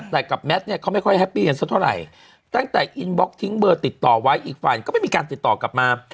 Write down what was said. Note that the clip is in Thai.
แต่กับแมทเนี่ยเขาไม่ค่อยแฮปปี้กันสักเท่าไหร่ตั้งแต่อินบล็อกทิ้งเบอร์ติดต่อไว้อีกฝ่ายก็ไม่มีการติดต่อกลับมา